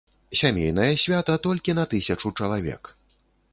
Сямейнае свята, толькі на тысячу чалавек.